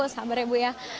sabar ibu ya